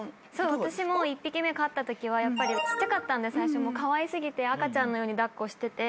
私も１匹目飼ったときはちっちゃかったんで最初かわい過ぎて赤ちゃんのように抱っこしてて。